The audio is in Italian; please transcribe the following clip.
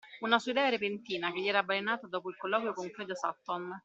Una sua idea repentina, che gli era balenata dopo il colloquio con Claudia Sutton;